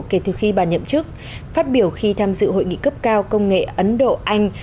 kể từ khi bàn nhậm chức phát biểu khi tham dự hội nghị cấp cao công nghệ ấn độ anh